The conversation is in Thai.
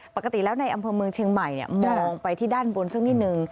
ปกติแล้วในอำเภอเมืองเชียงใหม่มองไปที่ด้านบนสักนิดนึง